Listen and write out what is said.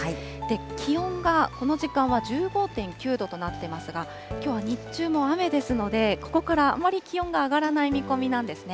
気温がこの時間は１５．９度となってますが、きょうは日中も雨ですので、ここからあまり気温が上がらない見込みなんですね。